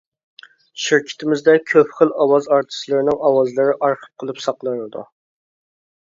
شىركىتىمىزدە كۆپ خىل ئاۋاز ئارتىسلىرىنىڭ ئاۋازلىرى ئارخىپ قىلىپ ساقلىنىدۇ.